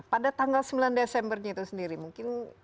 pada tanggal sembilan desembernya itu sendiri mungkin